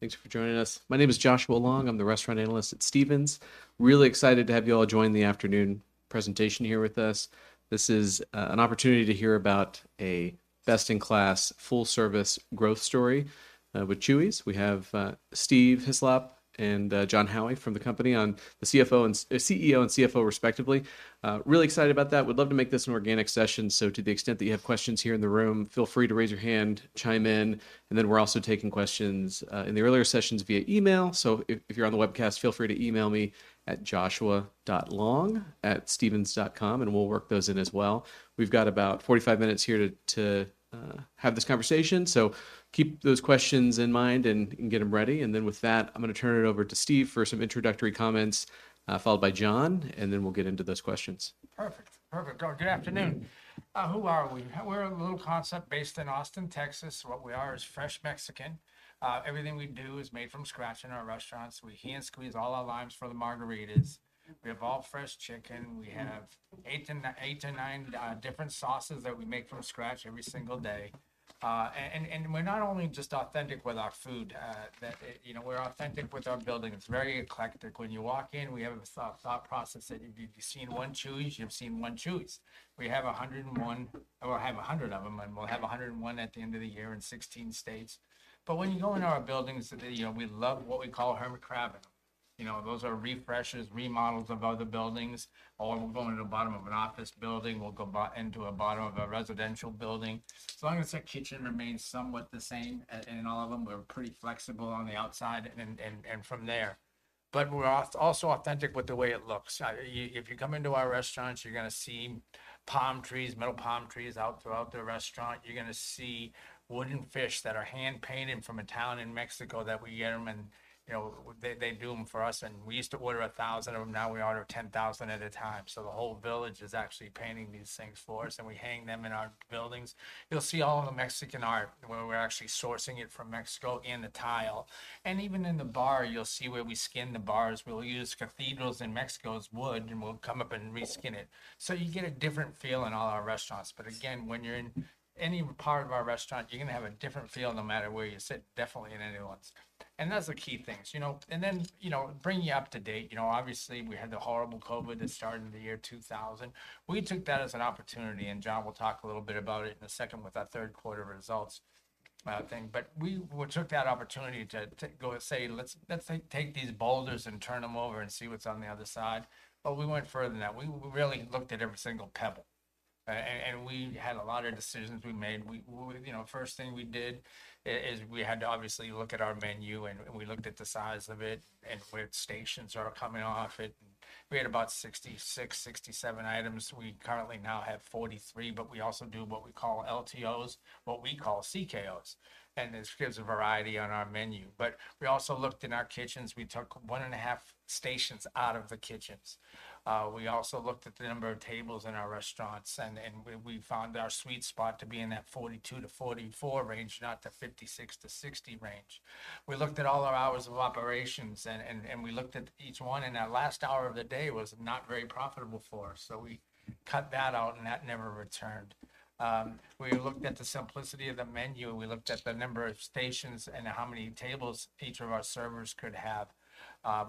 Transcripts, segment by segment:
Thanks for joining us. My name is Joshua Long. I'm the restaurant analyst at Stephens. Really excited to have you all join the afternoon presentation here with us. This is an opportunity to hear about a best-in-class, full-service growth story with Chuy's. We have Steve Hislop and Jon Howie from the company as the CEO and CFO, respectively. Really excited about that. We'd love to make this an organic session, so to the extent that you have questions here in the room, feel free to raise your hand, chime in, and then we're also taking questions in the earlier sessions via email. So if you're on the webcast, feel free to email me at joshua.long@stephens.com, and we'll work those in as well. We've got about 45 minutes here to have this conversation, so keep those questions in mind and get them ready. And then with that, I'm gonna turn it over to Steve for some introductory comments, followed by Jon, and then we'll get into those questions. Perfect. Perfect. Good afternoon. Who are we? We're a little concept based in Austin, Texas. What we are is fresh Mexican. Everything we do is made from scratch in our restaurants. We hand-squeeze all our limes for the margaritas. We have all fresh chicken. We have 8 to 9 different sauces that we make from scratch every single day. And we're not only just authentic with our food, you know, we're authentic with our building. It's very eclectic. When you walk in, we have a soft thought process that if you've seen one Chuy's, you've seen one Chuy's. We have 100 and 101- or we have 100 of them, and we'll have 101 at the end of the year in 16 states. But when you go into our buildings, you know, we love what we call hermit crabbing. You know, those are refreshes, remodels of other buildings. Or we'll go into the bottom of an office building, we'll go into a bottom of a residential building. As long as the kitchen remains somewhat the same in all of them, we're pretty flexible on the outside and, and, and from there. But we're also authentic with the way it looks. If you come into our restaurants, you're gonna see palm trees, metal palm trees out throughout the restaurant. You're gonna see wooden fish that are hand-painted from a town in Mexico that we get them, and, you know, they, they do them for us, and we used to order 1,000 of them, now we order 10,000 at a time. So the whole village is actually painting these things for us, and we hang them in our buildings. You'll see all of the Mexican art, where we're actually sourcing it from Mexico, and the tile. And even in the bar, you'll see where we skin the bars. We'll use cathedral wood from Mexico, and we'll come up and re-skin it. So you get a different feel in all our restaurants, but again, when you're in any part of our restaurant, you're gonna have a different feel no matter where you sit, definitely in any ones. And that's the key things, you know? And then, you know, bringing you up to date, you know, obviously, we had the horrible COVID that started in the year 2000. We took that as an opportunity, and Jon will talk a little bit about it in a second with our third quarter results thing. But we took that opportunity to go and say, "Let's take these boulders and turn them over and see what's on the other side." But we went further than that. We really looked at every single pebble, and we had a lot of decisions we made. We, you know, first thing we did is we had to obviously look at our menu, and we looked at the size of it and which stations are coming off it. We had about 66, 67 items. We currently now have 43, but we also do what we call LTOs, what we call CKOs, and this gives a variety on our menu. But we also looked in our kitchens. We took 1.5 stations out of the kitchens. We also looked at the number of tables in our restaurants, and we found our sweet spot to be in that 42-44 range, not the 56-60 range. We looked at all our hours of operations, and we looked at each one, and our last hour of the day was not very profitable for us, so we cut that out, and that never returned. We looked at the simplicity of the menu, we looked at the number of stations and how many tables each of our servers could have.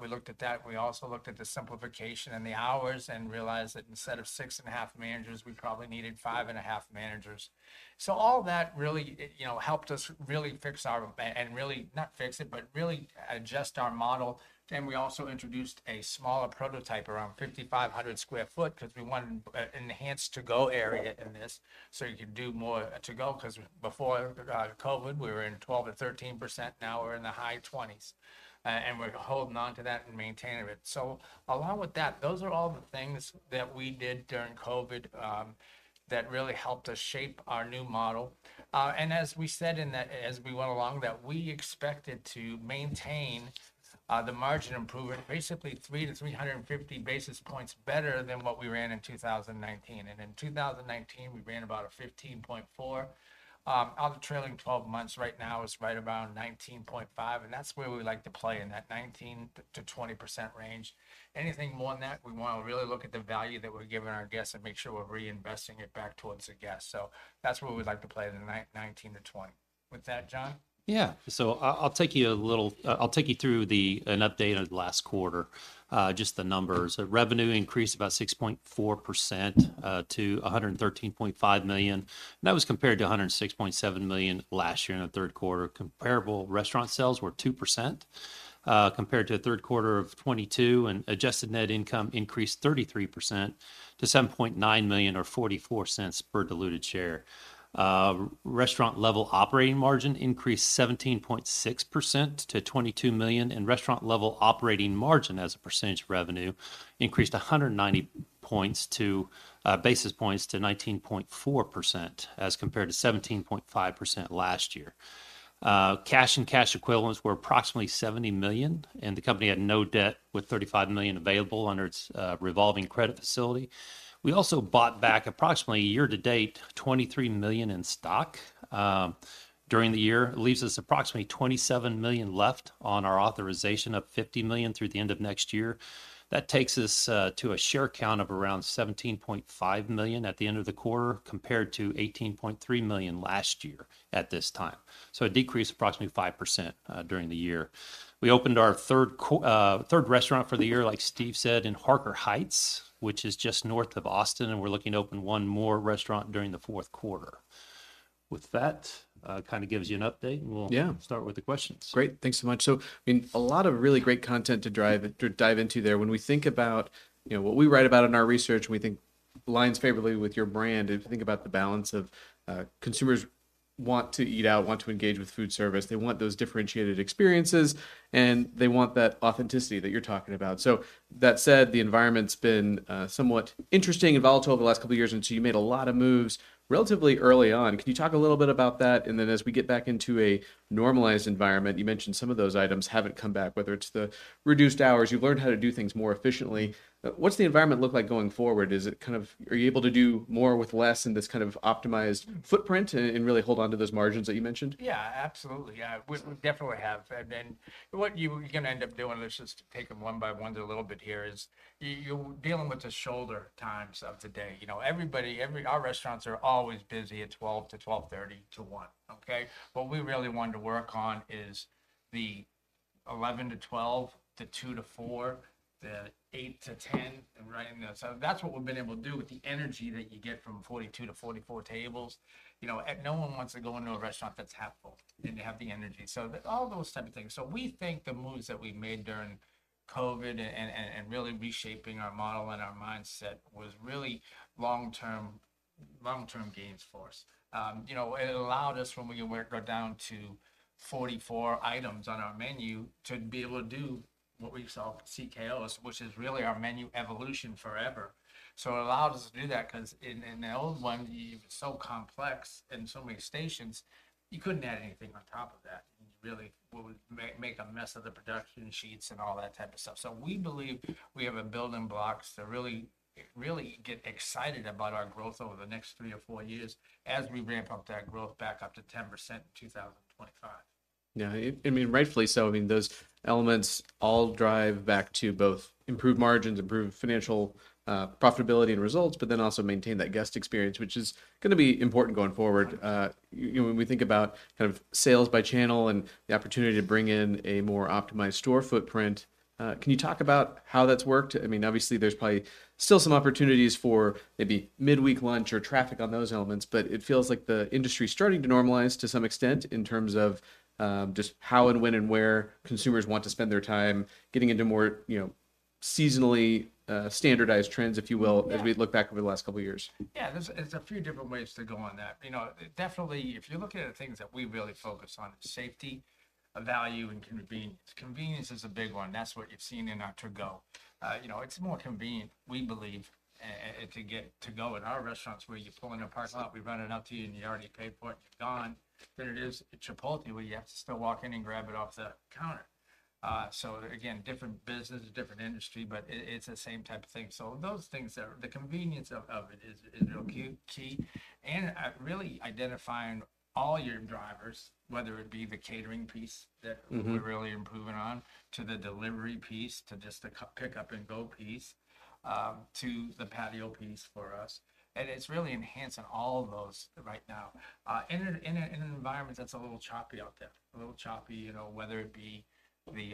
We looked at that. We also looked at the simplification and the hours and realized that instead of 6.5 managers, we probably needed 5.5 managers. So all that really, you know, helped us really fix our base and really, not fix it, but really adjust our model. Then we also introduced a smaller prototype, around 5,500 sq ft, because we wanted enhanced to-go area in this, so you could do more to-go, because before COVID, we were in 12%-13%, now we're in the high 20s, and we're holding onto that and maintaining it. So along with that, those are all the things that we did during COVID that really helped us shape our new model. And as we said in that, as we went along, that we expected to maintain the margin improvement, basically 300 basis points-350 basis points better than what we ran in 2019. And in 2019, we ran about a 15.4. Out of trailing twelve months right now is right around 19.5, and that's where we like to play, in that 19%-20% range. Anything more than that, we wanna really look at the value that we're giving our guests and make sure we're reinvesting it back towards the guests. So that's where we like to play, in the 19%-20%. With that, Jon? Yeah. So I'll take you through an update of last quarter, just the numbers. Revenue increased about 6.4% to $113.5 million. That was compared to $106.7 million last year in the third quarter. Comparable restaurant sales were 2%, compared to the third quarter of 2022, and adjusted net income increased 33% to $7.9 million, or $0.44 per diluted share. Restaurant-level operating margin increased 17.6% to $22 million, and restaurant-level operating margin as a percentage of revenue increased 190 basis points to 19.4%, as compared to 17.5% last year. Cash and cash equivalents were approximately $70 million, and the company had no debt, with $35 million available under its revolving credit facility. We also bought back approximately, year to date, $23 million in stock during the year. Leaves us approximately $27 million left on our authorization of $50 million through the end of next year. That takes us to a share count of around 17.5 million at the end of the quarter, compared to 18.3 million last year at this time. So a decrease of approximately 5% during the year. We opened our third restaurant for the year, like Steve said, in Harker Heights, which is just north of Austin, and we're looking to open one more restaurant during the fourth quarter.... With that, kind of gives you an update, and we'll- Yeah Start with the questions. Great. Thanks so much. So, I mean, a lot of really great content to drive, to dive into there. When we think about, you know, what we write about in our research, we think aligns favorably with your brand. If you think about the balance of, consumers want to eat out, want to engage with food service, they want those differentiated experiences, and they want that authenticity that you're talking about. So that said, the environment's been, somewhat interesting and volatile the last couple of years, and so you made a lot of moves relatively early on. Can you talk a little bit about that? And then as we get back into a normalized environment, you mentioned some of those items haven't come back, whether it's the reduced hours, you've learned how to do things more efficiently. What's the environment look like going forward? Is it kind of... Are you able to do more with less in this kind of optimized footprint and really hold on to those margins that you mentioned? Yeah, absolutely. Yeah, we definitely have. And then what you're gonna end up doing, let's just take them one by one a little bit here, is you're dealing with the shoulder times of the day. You know, everybody, our restaurants are always busy at 12:00 to 12:30 to 1:00, okay? What we really wanted to work on is the 11:00 to 12:00, to 2:00 to 4:00, the 8:00 to 10:00, right in there. So that's what we've been able to do with the energy that you get from 42 to 44 tables. You know, and no one wants to go into a restaurant that's half full and to have the energy, so all those type of things. So we think the moves that we've made during COVID and really reshaping our model and our mindset was really long-term, long-term gains for us. You know, it allowed us, when we go down to 44 items on our menu, to be able to do what we call CKO, which is really our menu evolution forever. So it allowed us to do that 'cause in the old one, it was so complex and so many stations, you couldn't add anything on top of that. Really, we would make a mess of the production sheets and all that type of stuff. So we believe we have a building blocks to really, really get excited about our growth over the next 3 or 4 years as we ramp up that growth back up to 10% in 2025. Yeah, I mean, rightfully so. I mean, those elements all drive back to both improved margins, improved financial profitability and results, but then also maintain that guest experience, which is gonna be important going forward. When we think about kind of sales by channel and the opportunity to bring in a more optimized store footprint, can you talk about how that's worked? I mean, obviously, there's probably still some opportunities for maybe midweek lunch or traffic on those elements, but it feels like the industry is starting to normalize to some extent in terms of just how and when and where consumers want to spend their time getting into more, you know, seasonally standardized trends, if you will- Yeah... as we look back over the last couple of years. Yeah, there's a few different ways to go on that. You know, definitely, if you're looking at the things that we really focus on: safety, value, and convenience. Convenience is a big one. That's what you've seen in our To Go. You know, it's more convenient, we believe, to get To Go in our restaurants, where you're pulling a park up, we run it out to you, and you already paid for it, gone, than it is at Chipotle, where you have to still walk in and grab it off the counter. So again, different businesses, different industry, but it's the same type of thing. So those things are the convenience of it is key. And really identifying all your drivers, whether it be the catering piece that- Mm-hmm... we're really improving on to the delivery piece, to just the pick up and go piece, to the patio piece for us. And it's really enhancing all of those right now, in an environment that's a little choppy out there. A little choppy, you know, whether it be the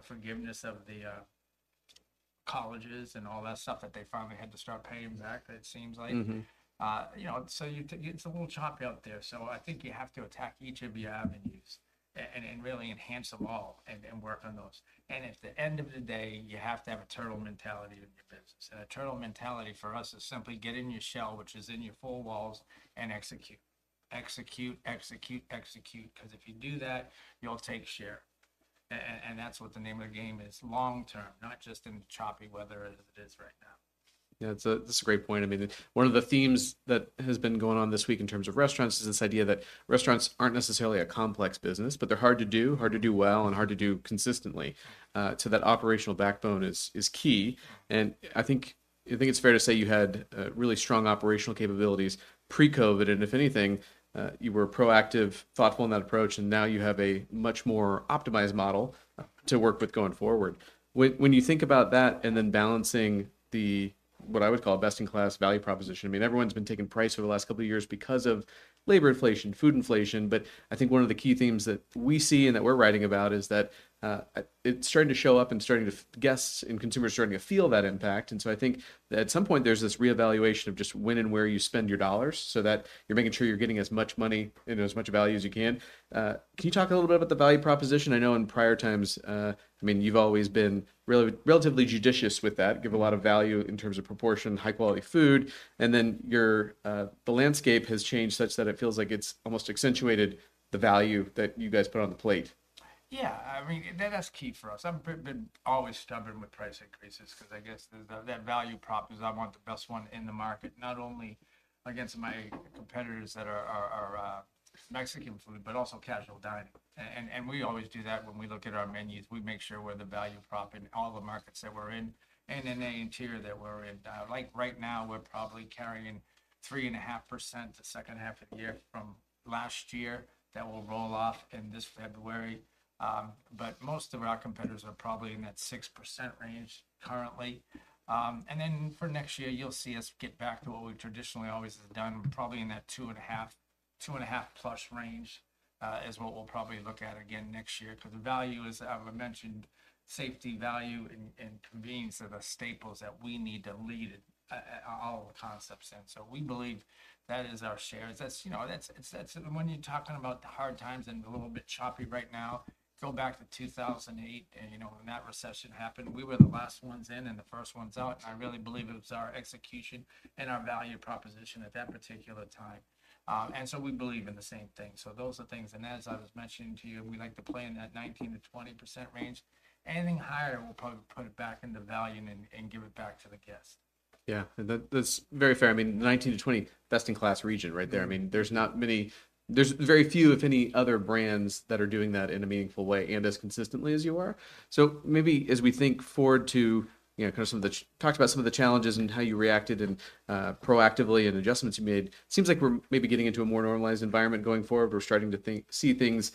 forgiveness of the colleges and all that stuff that they finally had to start paying back, it seems like. Mm-hmm. You know, so you it's a little choppy out there. So I think you have to attack each of your avenues and really enhance them all and work on those. And at the end of the day, you have to have a turtle mentality in your business. And a turtle mentality for us is simply get in your shell, which is in your four walls, and execute. Execute, execute, execute, 'cause if you do that, you'll take share. And that's what the name of the game is long term, not just in the choppy weather as it is right now. Yeah, this is a great point. I mean, one of the themes that has been going on this week in terms of restaurants is this idea that restaurants aren't necessarily a complex business, but they're hard to do, hard to do well, and hard to do consistently. So that operational backbone is key, and I think it's fair to say you had really strong operational capabilities pre-COVID, and if anything, you were proactive, thoughtful in that approach, and now you have a much more optimized model to work with going forward. When you think about that and then balancing the what I would call best-in-class value proposition, I mean, everyone's been taking price over the last couple of years because of labor inflation, food inflation. But I think one of the key themes that we see and that we're writing about is that it's starting to show up, guests and consumers are starting to feel that impact. And so I think at some point, there's this reevaluation of just when and where you spend your dollars, so that you're making sure you're getting as much money and as much value as you can. Can you talk a little bit about the value proposition? I know in prior times, I mean, you've always been relatively judicious with that, give a lot of value in terms of proportion, high-quality food, and then your, the landscape has changed such that it feels like it's almost accentuated the value that you guys put on the plate. Yeah, I mean, that's key for us. I've been always stubborn with price increases 'cause I guess the value prop is I want the best one in the market, not only against my competitors that are Mexican food, but also casual dining. And we always do that when we look at our menus. We make sure we're the value prop in all the markets that we're in and in any interior that we're in. Like right now, we're probably carrying 3.5% the second half of the year from last year. That will roll off in this February, but most of our competitors are probably in that 6% range currently. And then for next year, you'll see us get back to what we've traditionally always done, probably in that 2.5-... 2.5+ range is what we'll probably look at again next year. 'Cause the value is, as I mentioned, safety, value, and, and convenience are the staples that we need to lead at, at all the concepts in. So we believe that is our shares. That's, you know, that's, it's, that's and when you're talking about the hard times and a little bit choppy right now, go back to 2008 and, you know, when that recession happened, we were the last ones in and the first ones out. I really believe it was our execution and our value proposition at that particular time. And so we believe in the same thing. So those are things, and as I was mentioning to you, we like to play in that 19%-20% range. Anything higher, we'll probably put it back into value and give it back to the guest. Yeah, that, that's very fair. I mean, 19%-20%, best-in-class region right there. Mm-hmm. I mean, there's not many- there's very few, if any, other brands that are doing that in a meaningful way and as consistently as you are. So maybe as we think forward to, you know, kind of some of the... Talk about some of the challenges and how you reacted and proactively and adjustments you made. Seems like we're maybe getting into a more normalized environment going forward. We're starting to see things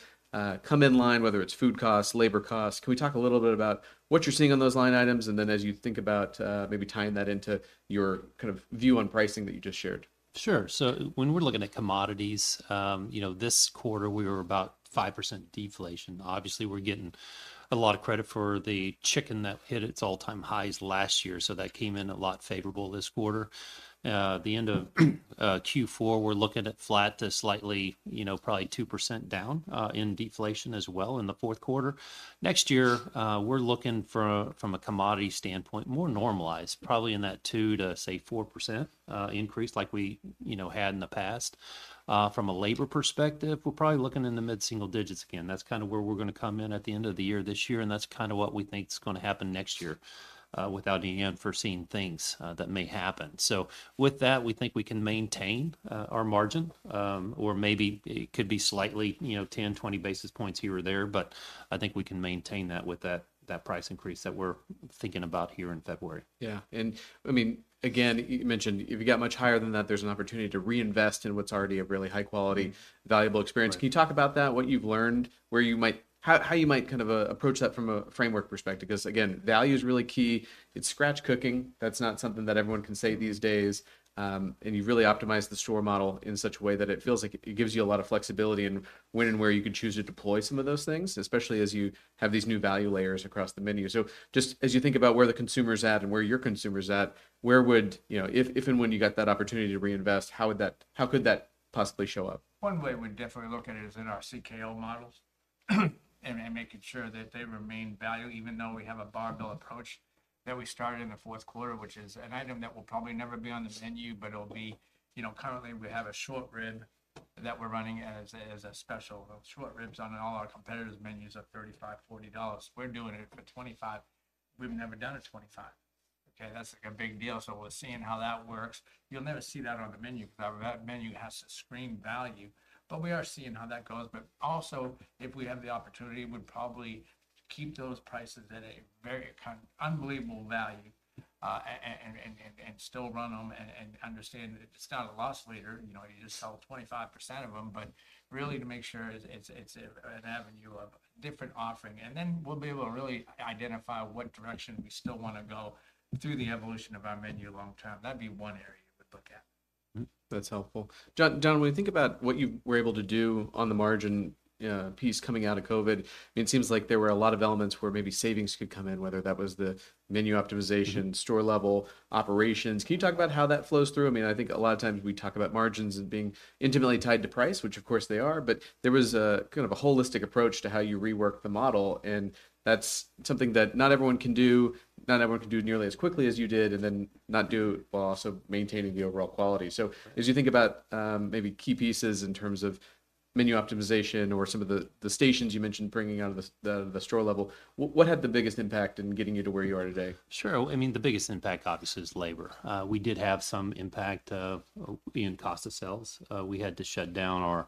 come in line, whether it's food costs, labor costs. Can we talk a little bit about what you're seeing on those line items, and then as you think about maybe tying that into your kind of view on pricing that you just shared? Sure. So when we're looking at commodities, you know, this quarter we were about 5% deflation. Obviously, we're getting a lot of credit for the chicken that hit its all-time highs last year, so that came in a lot favorable this quarter. The end of Q4, we're looking at flat to slightly, you know, probably 2% down in deflation as well in the fourth quarter. Next year, we're looking from a commodity standpoint, more normalized, probably in that 2%-4% increase like we, you know, had in the past. From a labor perspective, we're probably looking in the mid-single digits again. That's kind of where we're gonna come in at the end of the year, this year, and that's kind of what we think is gonna happen next year, without any unforeseen things, that may happen. So with that, we think we can maintain, our margin, or maybe it could be slightly, you know, 10, 20 basis points here or there, but I think we can maintain that with that, that price increase that we're thinking about here in February. Yeah. And I mean, again, you mentioned if you got much higher than that, there's an opportunity to reinvest in what's already a really high quality, valuable experience. Right. Can you talk about that, what you've learned, where you might... How, how you might kind of approach that from a framework perspective? Because, again, value is really key. It's scratch cooking. That's not something that everyone can say these days. And you've really optimized the store model in such a way that it feels like it gives you a lot of flexibility in when and where you can choose to deploy some of those things, especially as you have these new value layers across the menu. So just as you think about where the consumer's at and where your consumer's at, where would... You know, if, if and when you got that opportunity to reinvest, how would that- how could that possibly show up? One way we'd definitely look at it is in our CKO models, and, and making sure that they remain value, even though we have a barbell approach that we started in the fourth quarter, which is an item that will probably never be on the menu, but it'll be... You know, currently, we have a short rib that we're running as, as a special. Short ribs on all our competitors' menus are $35-$40. We're doing it for $25. We've never done a $25. Okay, that's like a big deal, so we're seeing how that works. You'll never see that on the menu, 'cause that menu has to scream value, but we are seeing how that goes. But also, if we have the opportunity, we'd probably keep those prices at a very kind of unbelievable value, and still run them and understand it's not a loss leader, you know, you just sell 25% of them, but really to make sure it's an avenue of different offering. And then we'll be able to really identify what direction we still wanna go through the evolution of our menu long term. That'd be one area we'd look at. Mm, that's helpful. Jon, Jon, when you think about what you were able to do on the margin, piece coming out of COVID, it seems like there were a lot of elements where maybe savings could come in, whether that was the menu optimization- Mm-hmm ...store-level operations. Can you talk about how that flows through? I mean, I think a lot of times we talk about margins as being intimately tied to price, which of course they are, but there was a kind of a holistic approach to how you reworked the model, and that's something that not everyone can do, not everyone can do nearly as quickly as you did, and then not do it while also maintaining the overall quality. So- Right... as you think about, maybe key pieces in terms of menu optimization or some of the stations you mentioned bringing out of the store level, what had the biggest impact in getting you to where you are today? Sure. I mean, the biggest impact, obviously, is labor. We did have some impact of in cost of sales. We had to shut down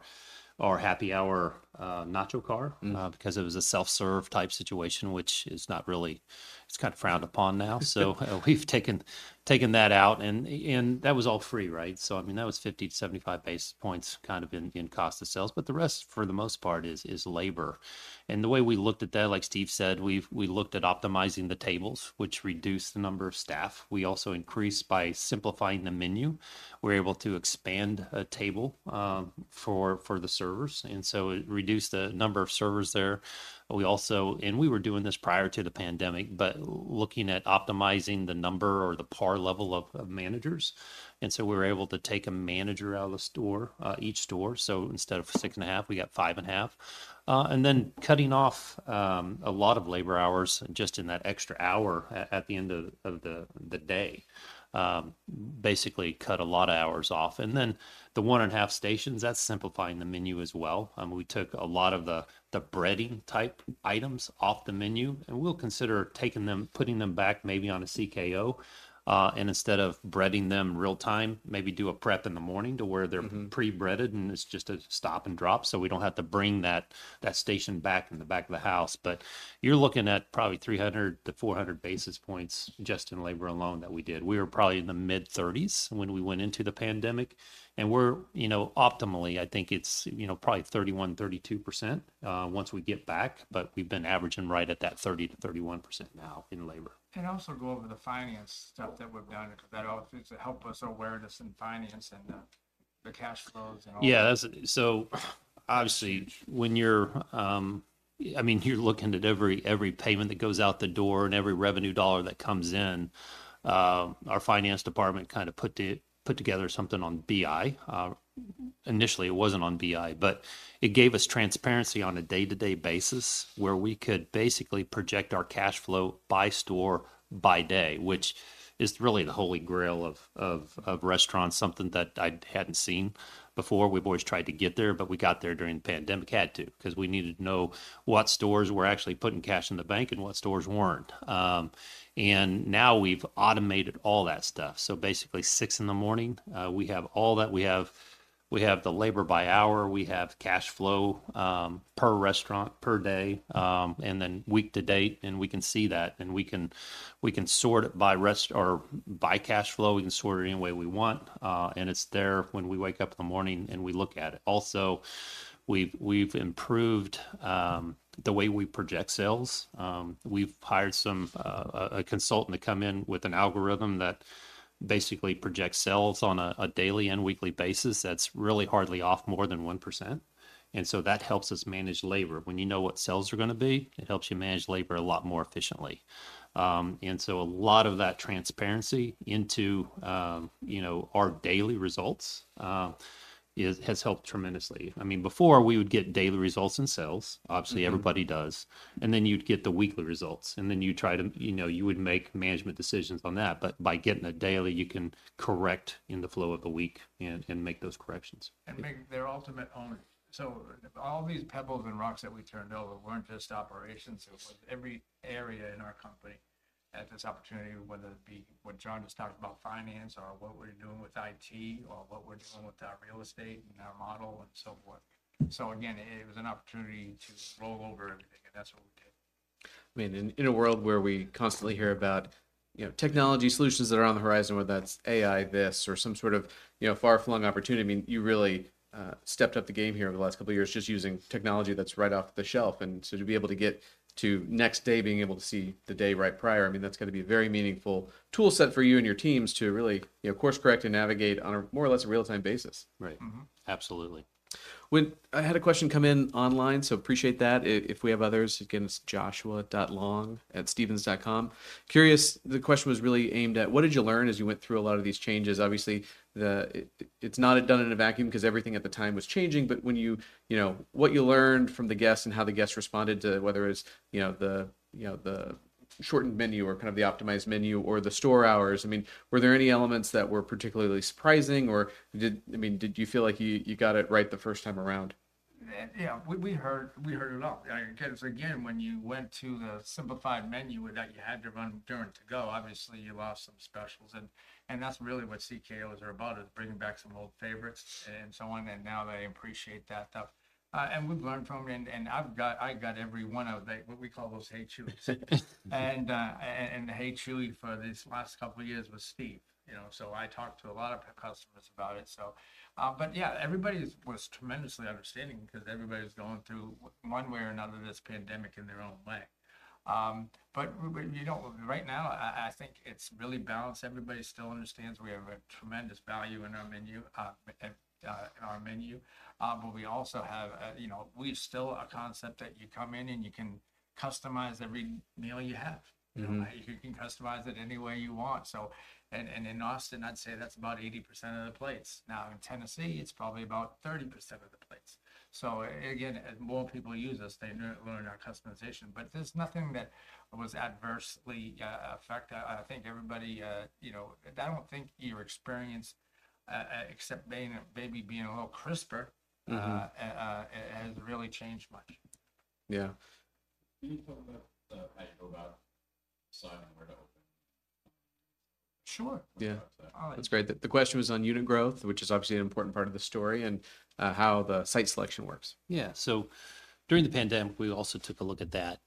our happy hour nacho car- Mm Because it was a self-serve type situation, which is not really, it's kind of frowned upon now. So we've taken that out, and that was all free, right? So, I mean, that was 50 basis points-75 basis points, kind of in cost of sales, but the rest, for the most part, is labor. And the way we looked at that, like Steve said, we looked at optimizing the tables, which reduced the number of staff. We also increased by simplifying the menu. We're able to expand a table for the servers, and so it reduced the number of servers there. We also and we were doing this prior to the pandemic, but looking at optimizing the number or the par level of managers, and so we were able to take a manager out of the store each store. So instead of 6.5, we got 5.5. And then cutting off a lot of labor hours just in that extra hour at the end of the day, basically cut a lot of hours off. And then the 1.5 stations, that's simplifying the menu as well. We took a lot of the breading-type items off the menu, and we'll consider taking them, putting them back maybe on a CKO, and instead of breading them real-time, maybe do a prep in the morning to where they're- Mm-hmm... pre-breaded, and it's just a stop and drop, so we don't have to bring that, that station back in the back of the house. But you're looking at probably 300 basis points-400 basis points just in labor alone that we did. We were probably in the mid-30s when we went into the pandemic, and we're, you know, optimally, I think it's, you know, probably 31-32% once we get back, but we've been averaging right at that 30-31% now in labor. And also go over the finance stuff that we've done, 'cause that also helped us, our awareness in finance and the cash flows and all? Yeah, that's so obviously, when you're, I mean, you're looking at every payment that goes out the door and every revenue dollar that comes in, our finance department kind of put together something on BI. Initially, it wasn't on BI, but it gave us transparency on a day-to-day basis, where we could basically project our cash flow by store, by day, which is really the holy grail of restaurants, something that I'd hadn't seen before. We've always tried to get there, but we got there during the pandemic. We had to, 'cause we needed to know what stores were actually putting cash in the bank and what stores weren't. And now we've automated all that stuff. So basically, 6:00 A.M., we have all that. We have, we have the labor by hour, we have cash flow, per restaurant per day, and then week to date, and we can see that, and we can, we can sort it by rest or by cash flow. We can sort it any way we want, and it's there when we wake up in the morning and we look at it. Also, we've improved the way we project sales. We've hired some a consultant to come in with an algorithm that basically projects sales on a daily and weekly basis, that's really hardly off more than 1%. And so that helps us manage labor. When you know what sales are gonna be, it helps you manage labor a lot more efficiently. And so a lot of that transparency into, you know, our daily results, has helped tremendously. I mean, before we would get daily results in sales, obviously everybody does, and then you'd get the weekly results, and then you try to... You know, you would make management decisions on that. But by getting a daily, you can correct in the flow of the week and make those corrections. And make their ultimate owner. So all these pebbles and rocks that we turned over weren't just operations. It was every area in our company had this opportunity, whether it be what Jon just talked about, finance, or what we're doing with IT, or what we're doing with our real estate and our model, and so forth. So again, it was an opportunity to go over everything, and that's what we did. I mean, in a world where we constantly hear about, you know, technology solutions that are on the horizon, whether that's AI this or some sort of, you know, far-flung opportunity, I mean, you really stepped up the game here over the last couple of years, just using technology that's right off the shelf. And so to be able to get to next day, being able to see the day right prior, I mean, that's gonna be a very meaningful tool set for you and your teams to really, you know, course-correct and navigate on a more or less real-time basis. Right. Mm-hmm. Absolutely. When I had a question come in online, so appreciate that. If we have others, again, it's joshua.long@stephens.com. Curious, the question was really aimed at: what did you learn as you went through a lot of these changes? Obviously, it's not done in a vacuum 'cause everything at the time was changing. But when you... You know, what you learned from the guests and how the guests responded to whether it's, you know, the shortened menu or kind of the optimized menu or the store hours. I mean, were there any elements that were particularly surprising, or I mean, did you feel like you got it right the first time around? Yeah, we heard it all. Because, again, when you went to the simplified menu that you had to run during to-go, obviously you lost some specials. And that's really what CKO is about, is bringing back some old favorites and so on, and now they appreciate that stuff. And we've learned from him, and I've got every one of them, what we call those Hey Chuy's. And Hey Chuy's for these last couple of years was Steve, you know, so I talked to a lot of the customers about it. So, but yeah, everybody was tremendously understanding because everybody's going through, one way or another, this pandemic in their own way. But when, you know, right now, I think it's really balanced. Everybody still understands we have a tremendous value in our menu, but we also have, you know, we've still a concept that you come in and you can customize every meal you have. Mm-hmm. You can customize it any way you want. So, in Austin, I'd say that's about 80% of the plates. Now, in Tennessee, it's probably about 30% of the plates. So again, as more people use us, they learn our customization. But there's nothing that was adversely affected. I think everybody, you know... I don't think your experience, except maybe being a little crisper- Mm-hmm... it hasn't really changed much. Yeah. Can you talk about how you go about deciding where to open? Sure. Yeah. All right. That's great. The question was on unit growth, which is obviously an important part of the story, and how the site selection works. Yeah. So during the pandemic, we also took a look at that.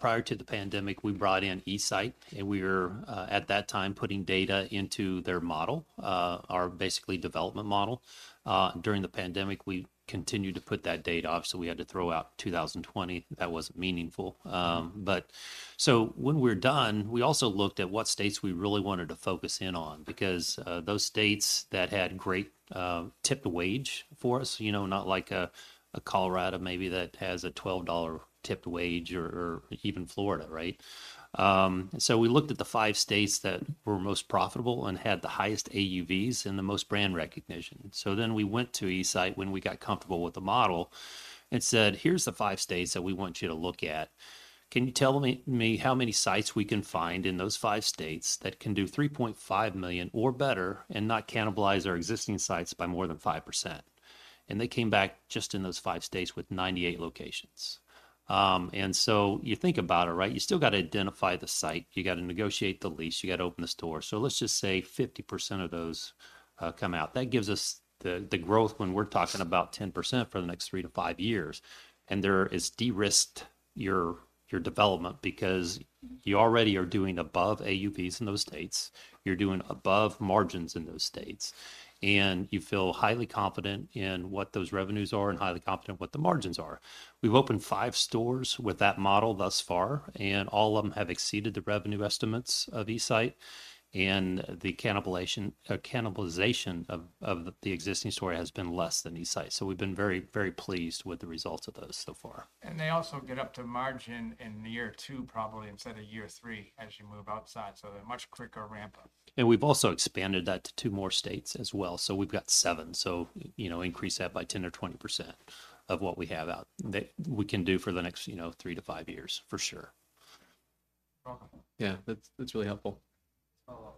Prior to the pandemic, we brought in eSite, and we were, at that time, putting data into their model, our basically development model. During the pandemic, we continued to put that data off, so we had to throw out 2020. That wasn't meaningful. But so when we're done, we also looked at what states we really wanted to focus in on, because, those states that had great, tipped wage for us, you know, not like a Colorado maybe that has a $12 tipped wage or even Florida, right? So we looked at the five states that were most profitable and had the highest AUVs and the most brand recognition. So then we went to eSite when we got comfortable with the model and said, "Here's the 5 states that we want you to look at. Can you tell me how many sites we can find in those 5 states that can do $3.5 million or better and not cannibalize our existing sites by more than 5%?" And they came back just in those 5 states with 98 locations. And so you think about it, right? You still got to identify the site, you got to negotiate the lease, you got to open the store. So let's just say 50% of those come out. That gives us the growth when we're talking about 10% for the next 3-5 years. There is de-risked your, your development because you already are doing above AUVs in those states, you're doing above margins in those states, and you feel highly confident in what those revenues are and highly confident what the margins are. We've opened 5 stores with that model thus far, and all of them have exceeded the revenue estimates of eSite. And the cannibalization of the existing store has been less than these sites. So we've been very, very pleased with the results of those so far. They also get up to margin in year 2, probably instead of year 3, as you move outside. So a much quicker ramp-up. We've also expanded that to 2 more states as well. We've got 7. You know, increase that by 10 or 20% of what we have out, that we can do for the next, you know, 3-5 years, for sure. Awesome. Yeah, that's, that's really helpful. Follow up.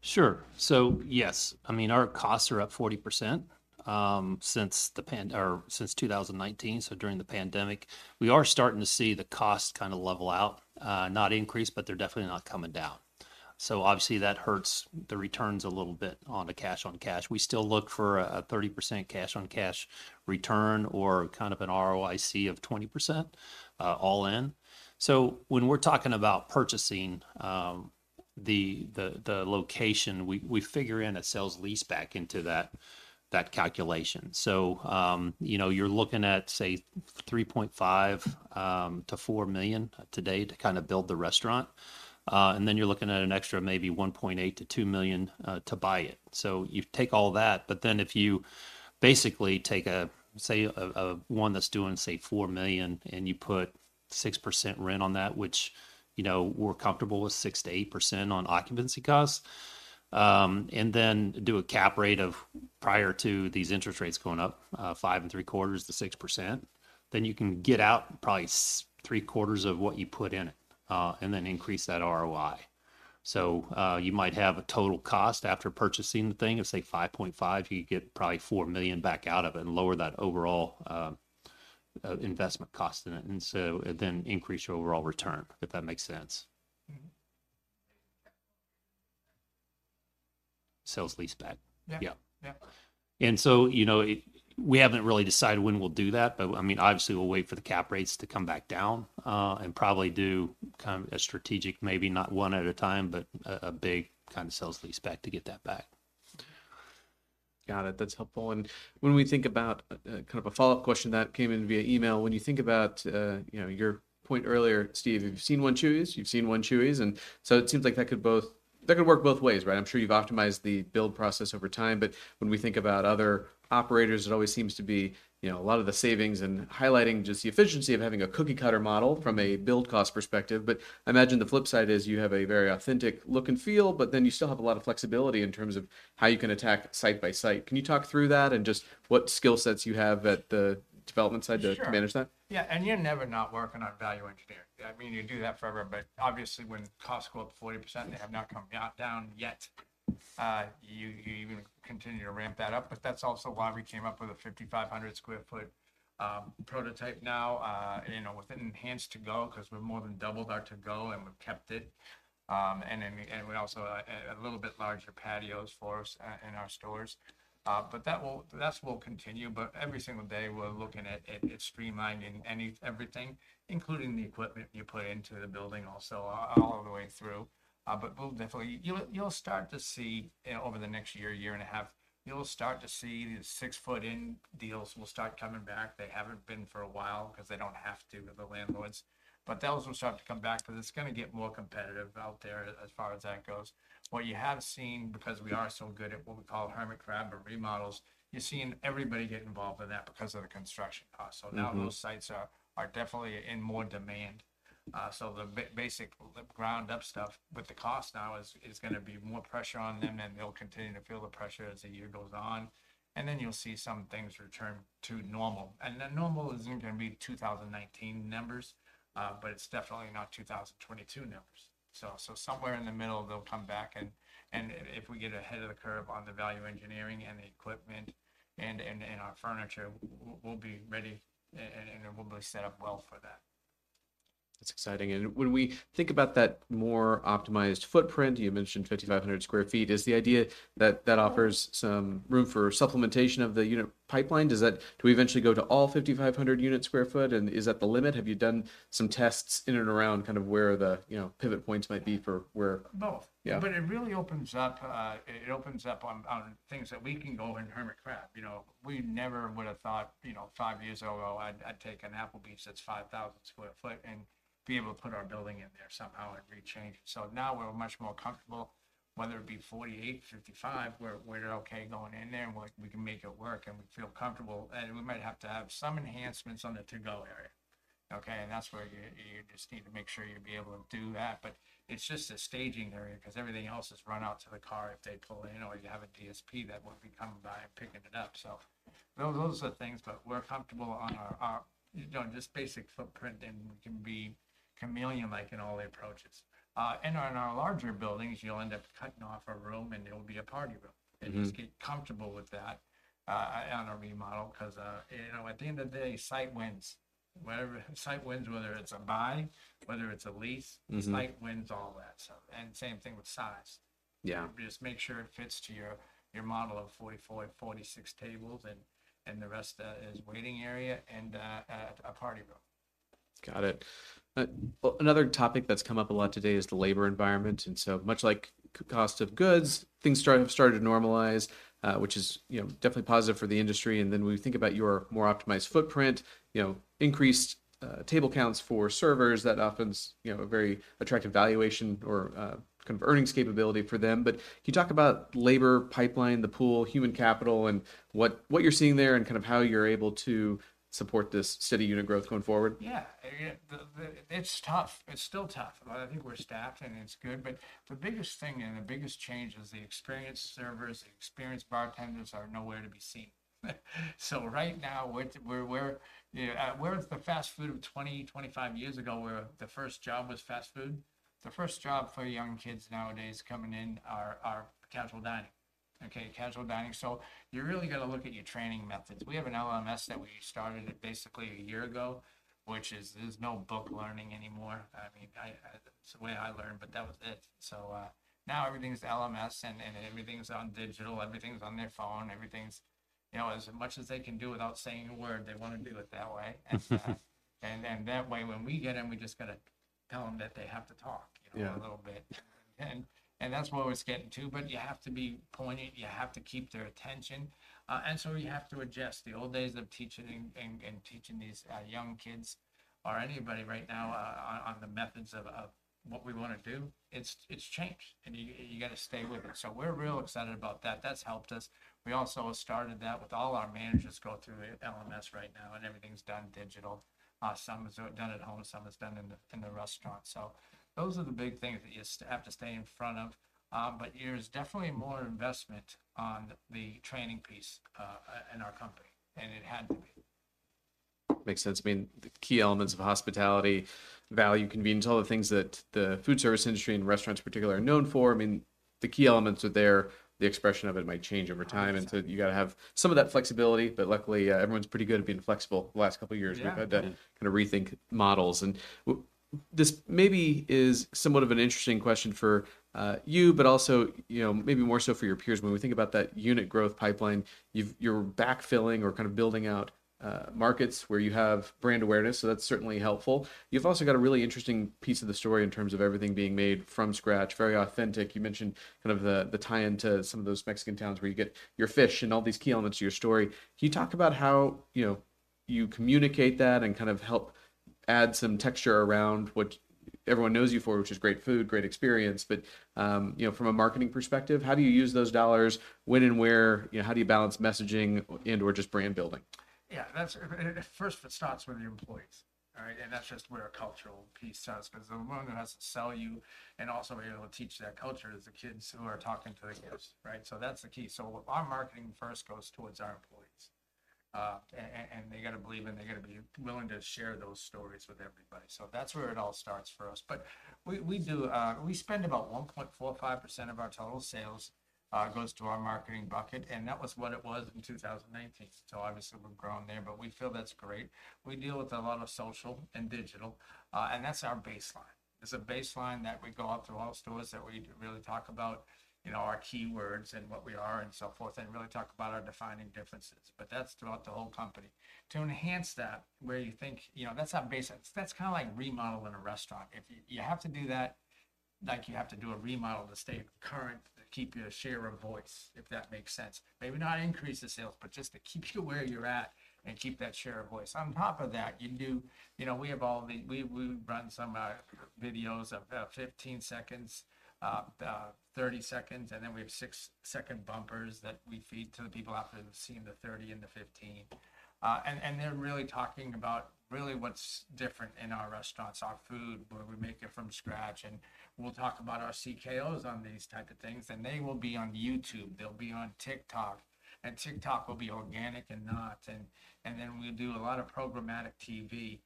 Sure. So yes, I mean, our costs are up 40%, since 2019, so during the pandemic. We are starting to see the costs kind of level out, not increase, but they're definitely not coming down. So obviously, that hurts the returns a little bit on the cash-on-cash. We still look for a 30% cash-on-cash return or kind of an ROIC of 20%, all in. So when we're talking about purchasing the location, we figure in a sales-leaseback into that calculation. So, you know, you're looking at, say, $3.5 million-$4 million today to kind of build the restaurant. And then you're looking at an extra maybe $1.8 million-$2 million to buy it. So you take all that, but then if you basically take, say, one that's doing, say, $4 million, and you put 6% rent on that, which, you know, we're comfortable with 6%-8% on occupancy costs, and then do a cap rate of, prior to these interest rates going up, 5.75%-6%, then you can get out probably three quarters of what you put in it, and then increase that ROI. So, you might have a total cost after purchasing the thing of, say, $5.5 million. You get probably $4 million back out of it and lower that overall investment cost in it, and so and then increase your overall return, if that makes sense. Mm-hmm. Sales-leaseback. Yeah. Yeah. Yeah. And so, you know, we haven't really decided when we'll do that, but, I mean, obviously we'll wait for the cap rates to come back down, and probably do kind of a strategic, maybe not one at a time, but a big kind of sale-leaseback to get that back. Got it. That's helpful. And when we think about, kind of a follow-up question that came in via email, when you think about, you know, your point earlier, Steve, you've seen one Chuy's, you've seen one Chuy's. And so it seems like that could work both ways, right? I'm sure you've optimized the build process over time, but when we think about other operators, it always seems to be, you know, a lot of the savings and highlighting just the efficiency of having a cookie cutter model from a build cost perspective. But I imagine the flip side is you have a very authentic look and feel, but then you still have a lot of flexibility in terms of how you can attack site by site. Can you talk through that and just what skill sets you have at the development side? Sure... to manage that? Yeah, and you're never not working on value engineering. I mean, you do that forever, but obviously, when costs go up 40%, they have not come down yet, you even continue to ramp that up. But that's also why we came up with a 5,500 sq ft prototype now, you know, with enhanced to-go, 'cause we've more than doubled our to-go, and we've kept it. And then, and we also a little bit larger patios for us in our stores. But that will continue, but every single day we're looking at streamlining everything, including the equipment you put into the building also, all the way through. But we'll definitely... You'll, you'll start to see, over the next year, year and a half, you'll start to see the six-foot in deals will start coming back. They haven't been for a while 'cause they don't have to with the landlords, but those will start to come back, but it's gonna get more competitive out there as far as that goes. What you have seen, because we are so good at what we call hermit crab or remodels, you're seeing everybody get involved in that because of the construction costs. Mm-hmm. So now those sites are definitely in more demand. So the basic, the ground up stuff, but the cost now is gonna be more pressure on them, and they'll continue to feel the pressure as the year goes on. And then you'll see some things return to normal. And the normal isn't gonna be 2019 numbers, but it's definitely not 2022 numbers. So somewhere in the middle, they'll come back and if we get ahead of the curve on the value engineering and the equipment and our furniture, we'll be ready and we'll be set up well for that. That's exciting. When we think about that more optimized footprint, you mentioned 5,500 sq ft, is the idea that that offers some room for supplementation of the unit pipeline? Does that... Do we eventually go to all 5,500 sq ft units, and is that the limit? Have you done some tests in and around, kind of where the, you know, pivot points might be for where- Both. Yeah. But it really opens up, it opens up on things that we can go and hermit crab. You know, we never would have thought, you know, 5 years ago, I'd take an Applebee's that's 5,000 sq ft and be able to put our building in there somehow and rechange it. So now we're much more comfortable, whether it be 48-55, we're okay going in there, and we can make it work, and we feel comfortable. And we might have to have some enhancements on the to-go area, okay? And that's where you just need to make sure you'll be able to do that. But it's just a staging area 'cause everything else is run out to the car if they pull in, or you have a DSP that would be coming by and picking it up. So those are things, but we're comfortable on our, you know, just basic footprint, and we can be chameleon-like in all the approaches. And in our larger buildings, you'll end up cutting off a room, and it'll be a party room. Mm. Just get comfortable with that, on our remodel, 'cause, you know, at the end of the day, site wins... wherever site wins, whether it's a buy, whether it's a lease- Mm-hmm. The site wins all that. So, and same thing with size. Yeah. Just make sure it fits to your model of 44-46 tables, and the rest is waiting area and a party room. Got it. Well, another topic that's come up a lot today is the labor environment. And so much like cost of goods, things have started to normalize, which is, you know, definitely positive for the industry. And then when we think about your more optimized footprint, you know, increased table counts for servers that often's, you know, a very attractive valuation or kind of earnings capability for them. But can you talk about labor pipeline, the pool, human capital, and what you're seeing there, and kind of how you're able to support this steady unit growth going forward? Yeah. Yeah, it's tough. It's still tough. But I think we're staffed, and it's good, but the biggest thing and the biggest change is the experienced servers, the experienced bartenders are nowhere to be seen. So right now, we're where the fast food was 20-25 years ago, where the first job was fast food? The first job for young kids nowadays coming in are casual dining. Okay? Casual dining. So you really gotta look at your training methods. We have an LMS that we started basically a year ago, which is, there's no book learning anymore. I mean, that's the way I learned, but that was it. So now everything's LMS, and everything's on digital, everything's on their phone, everything's, you know, as much as they can do without saying a word, they wanna do it that way. And then that way, when we get them, we just gotta tell them that they have to talk- Yeah... a little bit. And that's what it's getting to, but you have to be poignant. You have to keep their attention. And so you have to adjust. The old days of teaching and teaching these young kids or anybody right now on the methods of what we wanna do, it's changed, and you gotta stay with it. So we're real excited about that. That's helped us. We also have started that with all our managers go through LMS right now, and everything's done digital. Some is done at home, some is done in the restaurant. So those are the big things that you have to stay in front of. But there's definitely more investment on the training piece in our company, and it had to be. Makes sense. I mean, the key elements of hospitality, value, convenience, all the things that the food service industry and restaurants particularly are known for, I mean, the key elements are there. The expression of it might change over time- Right... and so you gotta have some of that flexibility, but luckily, everyone's pretty good at being flexible the last couple of years. Yeah. We've had to kinda rethink models. And this maybe is somewhat of an interesting question for you, but also, you know, maybe more so for your peers. When we think about that unit growth pipeline, you're backfilling or kind of building out markets where you have brand awareness, so that's certainly helpful. You've also got a really interesting piece of the story in terms of everything being made from scratch, very authentic. You mentioned kind of the tie-in to some of those Mexican towns where you get your fish and all these key elements of your story. Can you talk about how, you know, you communicate that and kind of help add some texture around what everyone knows you for, which is great food, great experience, but you know, from a marketing perspective, how do you use those dollars? When and where? You know, how do you balance messaging and/or just brand building? Yeah. That's first, it starts with your employees. All right? And that's just where our cultural piece starts, 'cause the one that has to sell you and also be able to teach that culture is the kids who are talking to the kids, right? So that's the key. So our marketing first goes towards our employees. And they gotta believe, and they gotta be willing to share those stories with everybody. So that's where it all starts for us. But we, we do... We spend about 1.45% of our total sales goes to our marketing bucket, and that was what it was in 2019. So obviously, we've grown there, but we feel that's great. We deal with a lot of social and digital, and that's our baseline. It's a baseline that we go out to all stores, that we really talk about, you know, our keywords and what we are, and so forth, and really talk about our defining differences, but that's throughout the whole company. To enhance that, where you think, you know, that's not basic. That's kinda like remodeling a restaurant. If you have to do that, like you have to do a remodel to stay current, to keep your share of voice, if that makes sense. Maybe not increase the sales, but just to keep you where you're at and keep that share of voice. On top of that, you know, we have all the... We run some videos of 15 seconds, 30 seconds, and then we have 6-second bumpers that we feed to the people after they've seen the 30 and the 15. And, and they're really talking about really what's different in our restaurants, our food, where we make it from scratch, and we'll talk about our CKOs on these type of things, and they will be on YouTube, they'll be on TikTok, and TikTok will be organic and not. And, and then we'll do a lot of programmatic TV,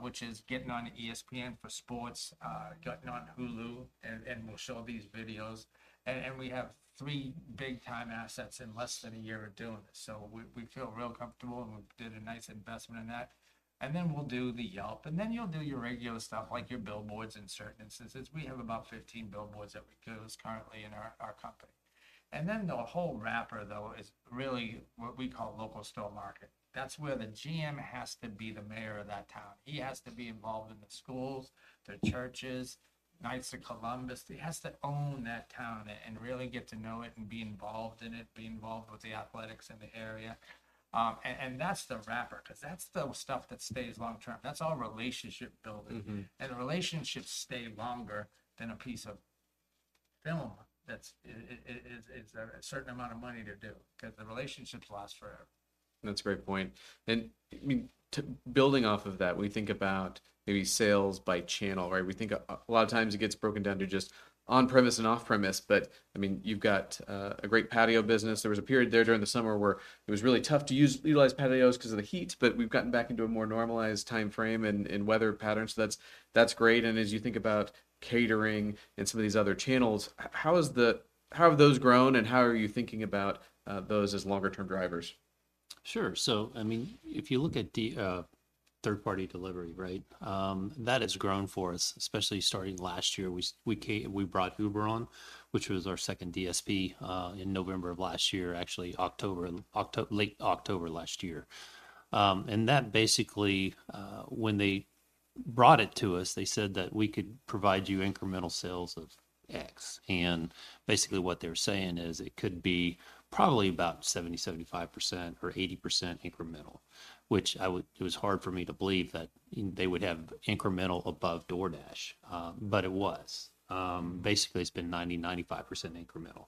which is getting on ESPN for sports, getting on Hulu, and, and we'll show these videos. And, and we have three big-time assets in less than a year of doing this, so we, we feel real comfortable, and we did a nice investment in that. And then we'll do the Yelp, and then you'll do your regular stuff like your billboards in certain instances. We have about 15 billboards that we use currently in our, our company. And then the whole wrapper, though, is really what we call local store market. That's where the GM has to be the mayor of that town. He has to be involved in the schools, the churches, Knights of Columbus. He has to own that town and really get to know it and be involved in it, be involved with the athletics in the area. And that's the wrapper, 'cause that's the stuff that stays long-term. That's all relationship building. Mm-hmm. Relationships stay longer than a piece of film that's... it's a certain amount of money to do, 'cause the relationships last forever. That's a great point. I mean, to building off of that, we think about maybe sales by channel, right? We think a lot of times it gets broken down to just on-premise and off-premise, but, I mean, you've got a great patio business. There was a period there during the summer where it was really tough to utilize patios because of the heat, but we've gotten back into a more normalized timeframe and weather patterns. So that's great. And as you think about catering and some of these other channels, how have those grown, and how are you thinking about those as longer term drivers? ... Sure. So, I mean, if you look at the third-party delivery, right, that has grown for us, especially starting last year. We brought Uber on, which was our second DSP, in November of last year, actually October, late October last year. And that basically, when they brought it to us, they said that we could provide you incremental sales of X. And basically, what they're saying is it could be probably about 70, 75% or 80% incremental, which I would, it was hard for me to believe that they would have incremental above DoorDash, but it was. Basically, it's been 90, 95% incremental.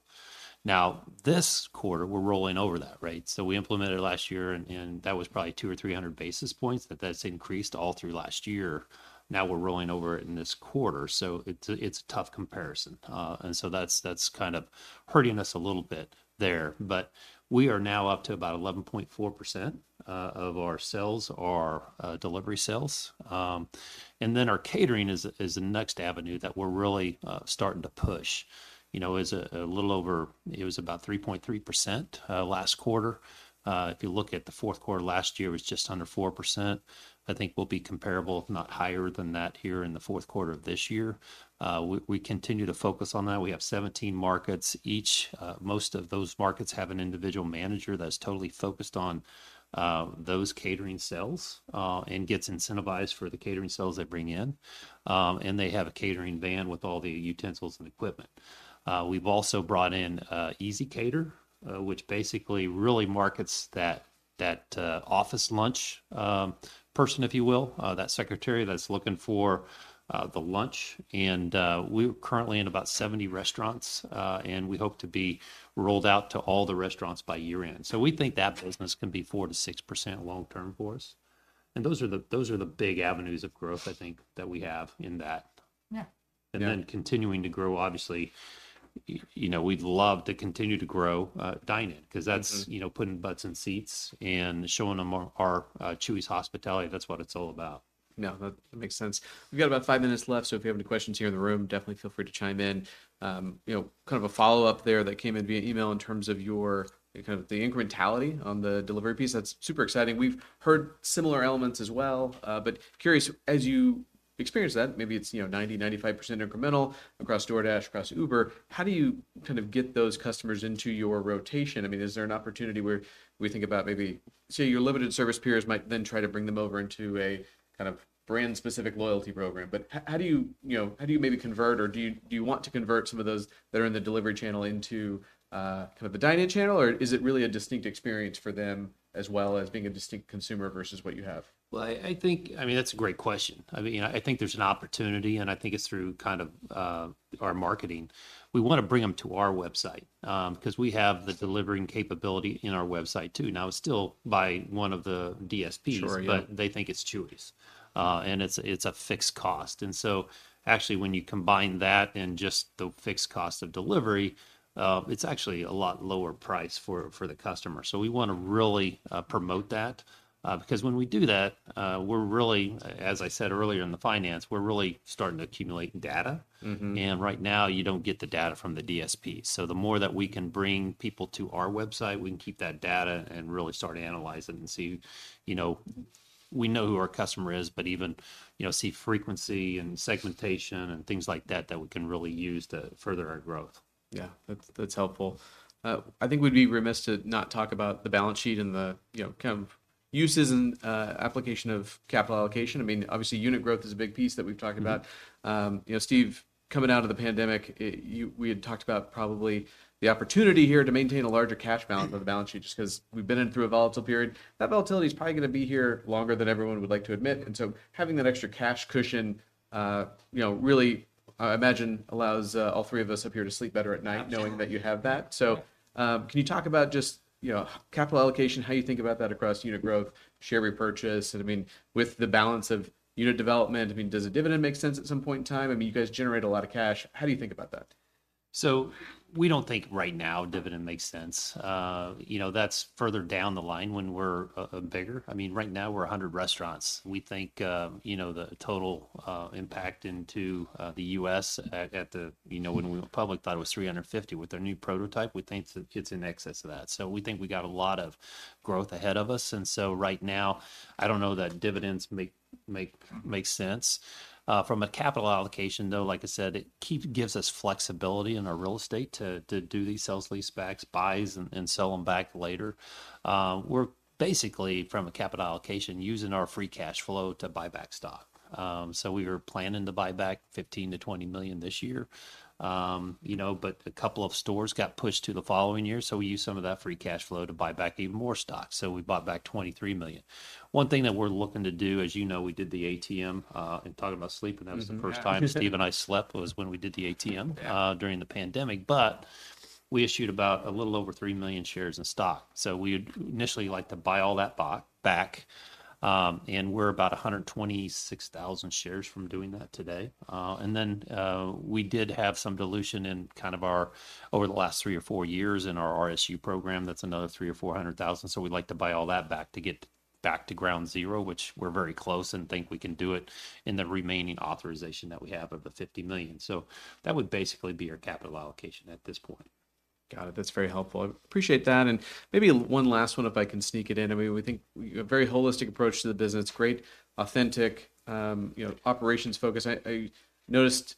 Now, this quarter, we're rolling over that, right? So we implemented it last year, and that was probably 200 or 300 basis points, that's increased all through last year. Now we're rolling over it in this quarter, so it's a tough comparison. And so that's kind of hurting us a little bit there. But we are now up to about 11.4% of our sales are delivery sales. And then our catering is the next avenue that we're really starting to push. You know, it's a little over... It was about 3.3% last quarter. If you look at the fourth quarter last year, it was just under 4%. I think we'll be comparable, if not higher than that, here in the fourth quarter of this year. We continue to focus on that. We have 17 markets each. Most of those markets have an individual manager that's totally focused on those catering sales, and gets incentivized for the catering sales they bring in, and they have a catering van with all the utensils and equipment. We've also brought in ezCater, which basically really markets that, that office lunch person, if you will, that secretary that's looking for the lunch. We're currently in about 70 restaurants, and we hope to be rolled out to all the restaurants by year-end. So we think that business can be 4%-6% long-term for us. Those are the big avenues of growth I think that we have in that. Yeah. Yeah. And then continuing to grow, obviously, you know, we'd love to continue to grow, dine-in- Mm-hmm... 'cause that's, you know, putting butts in seats and showing them our Chuy's hospitality. That's what it's all about. Yeah, that makes sense. We've got about 5 minutes left, so if you have any questions here in the room, definitely feel free to chime in. You know, kind of a follow-up there that came in via email in terms of your kind of the incrementality on the delivery piece. That's super exciting. We've heard similar elements as well, but curious, as you experience that, maybe it's, you know, 90%-95% incremental across DoorDash, across Uber, how do you kind of get those customers into your rotation? I mean, is there an opportunity where we think about maybe... Say, your limited service peers might then try to bring them over into a kind of brand-specific loyalty program. How do you, you know, how do you maybe convert or do you, do you want to convert some of those that are in the delivery channel into kind of the dine-in channel? Or is it really a distinct experience for them, as well as being a distinct consumer versus what you have? Well, I think—I mean, that's a great question. I mean, you know, I think there's an opportunity, and I think it's through kind of our marketing. We want to bring them to our website, 'cause we have the delivering capability in our website, too. Now, it's still by one of the DSPs- Sure... but they think it's Chuy's. And it's a fixed cost. And so actually, when you combine that and just the fixed cost of delivery, it's actually a lot lower price for the customer. So we want to really promote that, because when we do that, we're really, as I said earlier in the finance, we're really starting to accumulate data. Mm-hmm. Right now, you don't get the data from the DSP. So the more that we can bring people to our website, we can keep that data and really start to analyze it and see, you know, we know who our customer is, but even, you know, see frequency and segmentation and things like that, that we can really use to further our growth. Yeah, that's, that's helpful. I think we'd be remiss to not talk about the balance sheet and the, you know, kind of uses and application of capital allocation. I mean, obviously, unit growth is a big piece that we've talked about. Mm-hmm. You know, Steve, coming out of the pandemic, we had talked about probably the opportunity here to maintain a larger cash balance on the balance sheet just 'cause we've been in through a volatile period. That volatility is probably gonna be here longer than everyone would like to admit. So having that extra cash cushion, you know, really, I imagine, allows all three of us up here to sleep better at night- Absolutely... knowing that you have that. Yeah. So, can you talk about just, you know, capital allocation, how you think about that across unit growth, share repurchase? And I mean, with the balance of unit development, I mean, does a dividend make sense at some point in time? I mean, you guys generate a lot of cash. How do you think about that? So we don't think right now dividend makes sense. You know, that's further down the line when we're bigger. I mean, right now, we're 100 restaurants. We think you know, the total impact into the U.S. at the you know, when we went public, thought it was 350. With our new prototype, we think that it's in excess of that. So we think we got a lot of growth ahead of us. And so right now, I don't know that dividends make sense. From a capital allocation, though, like I said, it gives us flexibility in our real estate to do these sale-leasebacks, buys, and sell them back later. We're basically, from a capital allocation, using our free cash flow to buy back stock. So we were planning to buy back $15 million-$20 million this year. You know, but a couple of stores got pushed to the following year, so we used some of that free cash flow to buy back even more stock, so we bought back $23 million. One thing that we're looking to do, as you know, we did the ATM, and talking about sleep- Mm-hmm.... and that was the first time Steve and I slept, was when we did the ATM- Yeah... during the pandemic, but we issued about a little over 3 million shares in stock. So we'd initially like to buy all that back, back, and we're about 126,000 shares from doing that today. And then, we did have some dilution in kind of our, over the last three or four years in our RSU program. That's another three or four hundred thousand. So we'd like to buy all that back to get back to ground zero, which we're very close and think we can do it in the remaining authorization that we have of the 50 million. So that would basically be our capital allocation at this point. Got it. That's very helpful. I appreciate that, and maybe one last one, if I can sneak it in. I mean, we think you've a very holistic approach to the business. Great, authentic, you know, operations focus. I noticed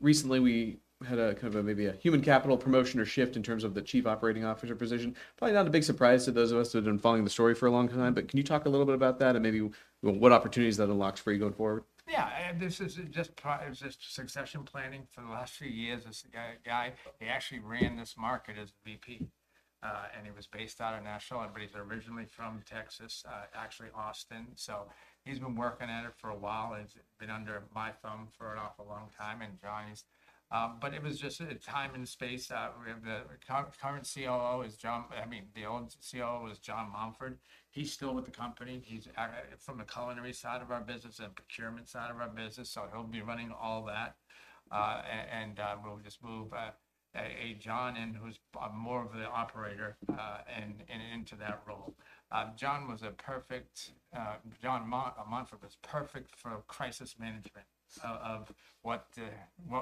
recently we had a kind of a maybe a human capital promotion or shift in terms of the Chief Operating Officer position. Probably not a big surprise to those of us who have been following the story for a long time, but can you talk a little bit about that and maybe what opportunities that unlocks for you going forward? Yeah. And this is just succession planning for the last few years. This guy, he actually ran this market as a VP, and he was based out of Nashville, but he's originally from Texas, actually Austin. So he's been working at it for a while and been under my thumb for an awful long time, and Jon, he's... But it was just a time and space. We have the current COO is Jon- I mean, the old COO was Jon Mountford. He's still with the company. He's from the culinary side of our business and procurement side of our business, so he'll be running all that. And we'll just move Jon in, who's more of the operator, and into that role. Jon was a perfect... Jon Mountford was perfect for crisis management of what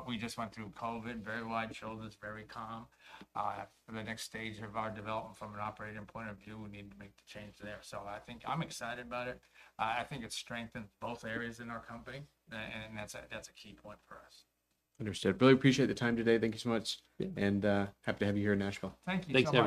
we just went through, COVID, very wide shoulders, very calm. For the next stage of our development from an operating point of view, we need to make the change there. So I think I'm excited about it. I think it's strengthened both areas in our company, and that's a key point for us. Understood. Really appreciate the time today. Thank you so much. Yeah. Happy to have you here in Nashville. Thank you. Thanks, guys.